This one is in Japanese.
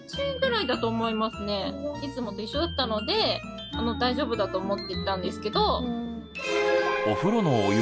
いつもと一緒だったので大丈夫だと思っていたんですけど。